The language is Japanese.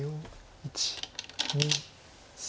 １２３。